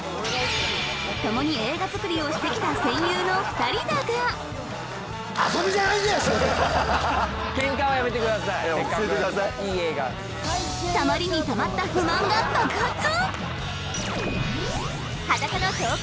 共に映画作りをしてきた戦友の２人だがたまりにたまった裸のトーク